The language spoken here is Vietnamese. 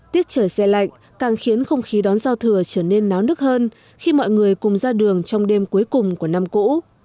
tiết trời xe lạnh càng khiến không khí đón giao thừa trở nên náo nức hơn khi mọi người cùng ra đường trong đêm cuối cùng của năm cũ